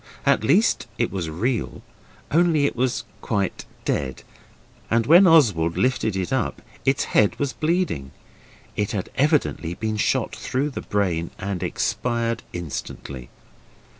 At least it was real only it was quite dead and when Oswald lifted it up its head was bleeding. It had evidently been shot through the brain and expired instantly.